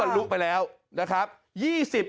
นี่บรรลุไปแล้วนะครับ